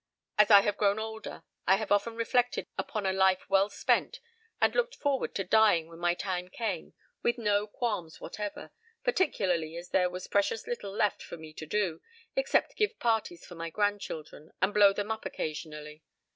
As I have grown older I have often reflected upon a life well spent, and looked forward to dying when my time came with no qualms whatever, particularly as there was precious little left for me to do except give parties for my grandchildren and blow them up occasionally.